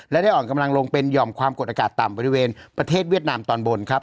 และได้อ่อนกำลังลงเป็นหย่อมความกดอากาศต่ำบริเวณประเทศเวียดนามตอนบนครับ